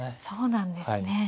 そうなんですね。